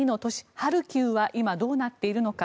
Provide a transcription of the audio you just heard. ハルキウは今、どうなっているのか。